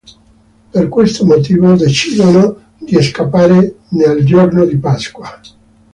Per questo motivo decidono di scappare nel giorno di Pasqua.